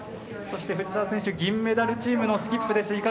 そして藤澤選手銀メダルチームのスキップです。